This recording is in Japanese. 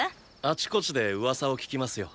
あちこちで噂を聞きますよ。